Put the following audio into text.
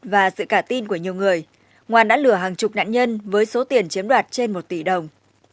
và sự cả tin của nhiều người ngoan đã lừa hàng chục nạn nhân với số tiền chiếm đoạt trên một tỷ đồng